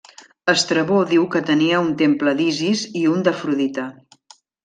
Estrabó diu que tenia un temple d'Isis i un d'Afrodita.